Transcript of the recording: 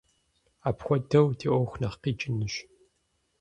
Апхуэдэу ди ӏуэху нэхъ къикӏынущ.